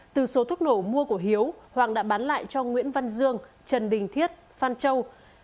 từ số thuốc nổ mua của hiếu hoàng đã bán lại cho nguyễn văn dương trần đình thiết phan châu